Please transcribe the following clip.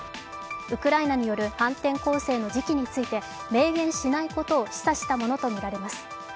ウクライナによる反転攻勢の時期について明言しないことを示唆したものとみられます。